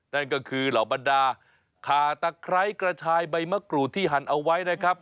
นั่นก็คือเหล่าบรรดาขาตะไคร้กระชายใบมะกรูดที่หั่นเอาไว้นะครับ